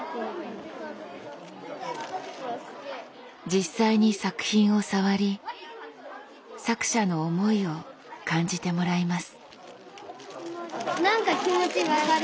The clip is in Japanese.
実際に作品を触り作者の思いを感じてもらいます。